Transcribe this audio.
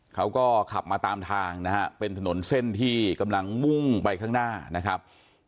เขาก็ขับมาตามทางนะฮะเป็นถนนเส้นที่กำลังมุ่งไปข้างหน้านะครับ